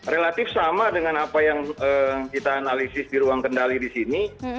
relatif sama dengan apa yang kita analisis di ruang kendali di sini